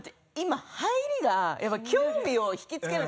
入りが興味を引きつける。